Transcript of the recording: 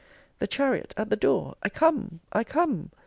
The chariot at the door! I come! I come!